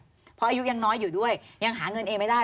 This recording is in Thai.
เพราะอายุยังน้อยอยู่ด้วยยังหาเงินเองไม่ได้